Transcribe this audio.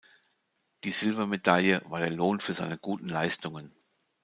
Die Silbermedaille war der Lohn für seine guten Leistungen.